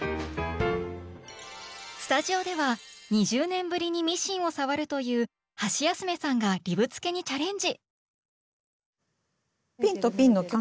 スタジオでは２０年ぶりにミシンを触るというハシヤスメさんがリブつけにチャレンジ！